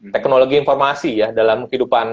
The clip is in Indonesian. teknologi informasi ya dalam kehidupan